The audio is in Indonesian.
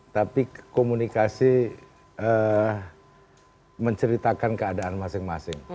tapi komunikasi menceritakan keadaan masing masing